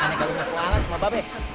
aneh kali dikeluaran sama babeh